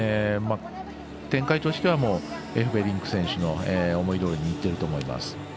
展開としてはエフベリンク選手の思いどおりにいっていると思います。